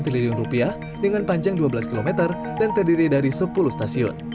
satu triliun rupiah dengan panjang dua belas km dan terdiri dari sepuluh stasiun